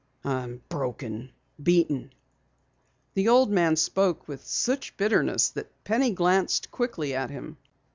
I'm broken, beaten!" The old man spoke with such bitterness that Penny glanced quickly at him.